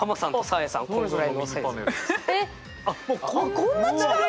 こんな違うんだ！